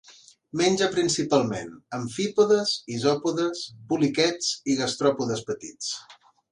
Menja principalment amfípodes, isòpodes, poliquets i gastròpodes petits.